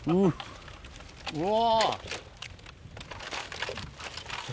うわ。